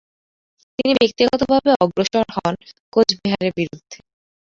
তিনি ব্যক্তিগতভাবে অগ্রসর হন কোচবিহারের বিরুদ্ধে।